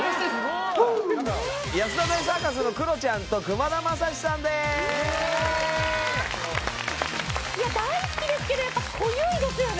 いや大好きですけどやっぱ濃ゆいですよね。